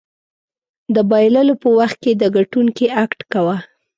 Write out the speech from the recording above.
د بایللو په وخت کې د ګټونکي اکټ کوه.